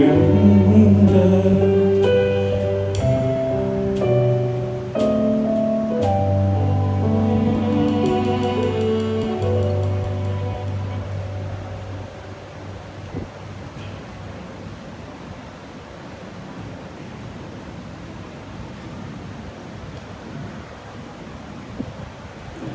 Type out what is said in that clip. เอาจริงซะค่อยอิฟเวิร์ด